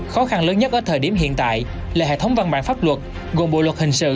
khó khăn lớn nhất ở thời điểm hiện tại là hệ thống văn bản pháp luật gồm bộ luật hình sự